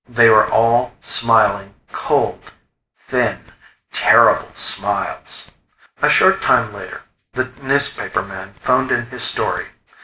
They were all smiling cold, thin, terrible smiles.... A short time later, the newspaperman phoned in his story.